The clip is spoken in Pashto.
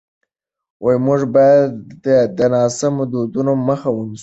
موږ باید د ناسم دودونو مخه ونیسو.